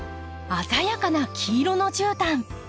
鮮やかな黄色のじゅうたん。